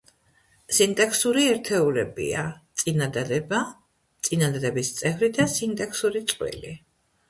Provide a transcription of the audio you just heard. სინტაქსური ერთეულებია: წინადადება, წინადადების წევრი და სინტაქსური წყვილი.